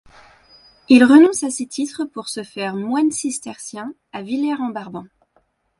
Il renonce à ses titres pour se faire moine cistercien à Villers-en-Brabant.